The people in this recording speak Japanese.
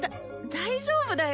大丈夫だよ！